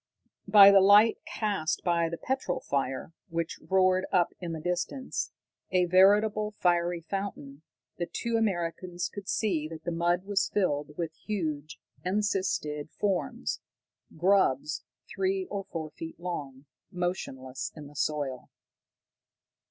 By the light cast by the petrol fire, which roared up in the distance, a veritable fiery fountain, the two Americans could see that the mud was filled with huge encysted forms, grubs three or four feet long, motionless in the soil.